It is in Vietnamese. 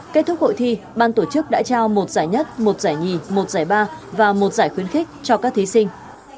kết thúc hội thi ban tổ chức đã trao một giải nhất một giải nhì một giải ba và một giải khuyến khích cho các thí sinh